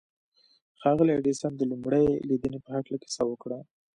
ښاغلي ايډېسن د لومړۍ ليدنې په هکله کيسه وکړه.